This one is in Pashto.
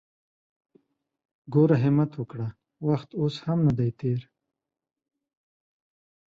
ګوره همت وکړه! وخت اوس هم ندی تېر!